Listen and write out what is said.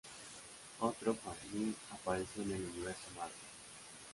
Otro Fafnir apareció en el Universo Marvel.